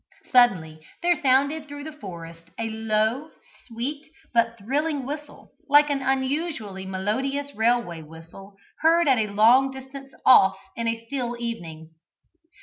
Suddenly there sounded through the forest a low, sweet, but thrilling whistle, like an unusually melodious railway whistle heard at a long distance off in a still evening.